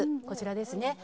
こちらですね